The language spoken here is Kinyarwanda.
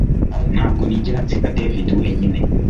Ntabwo nigera nsiga David wenyine